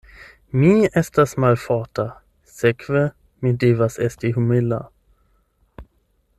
Mi estas malforta, sekve mi devas esti humila.